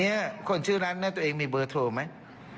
ถือนึกออกแล้วเนี่ยคนน์ชื่อนั้นน่ะตัวเองมีเบอร์โทรไหม